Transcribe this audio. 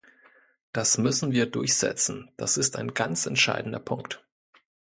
Das müssen wir durchsetzen, das ist ein ganz entscheidender Punkt!